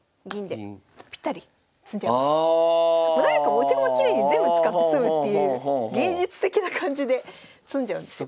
持ち駒きれいに全部使って詰むっていう芸術的な感じで詰んじゃうんですよ。